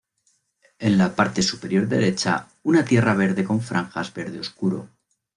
En la parte superior derecha, una tierra verde con franjas verde oscuro.